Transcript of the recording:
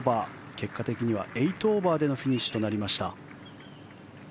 結果的には８オーバーでのフィニッシュとなりました。